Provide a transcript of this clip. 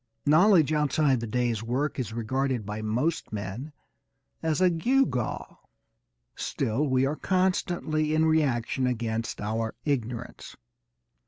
Knowledge outside the day's work is regarded by most men as a gewgaw. Still we are constantly in reaction against our ignorance.